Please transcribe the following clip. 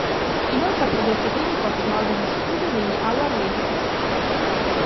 Inoltre ha prodotto i primi quattro album in studio degli Our Lady Peace.